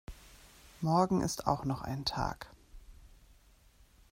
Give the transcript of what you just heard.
Morgen ist auch noch ein Tag.